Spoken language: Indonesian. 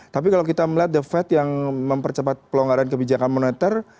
tapi kalau kita melihat the fed yang mempercepat pelonggaran kebijakan moneter